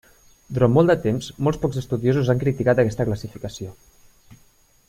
Durant molt de temps, molt pocs estudiosos han criticat aquesta classificació.